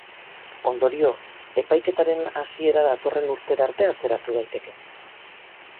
Ondorioz, epaiketaren hasiera datorren urtera arte atzeratu daiteke.